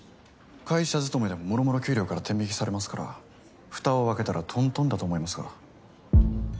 会社勤めでももろもろ給料から天引きされますから蓋を開けたらとんとんだと思いますが。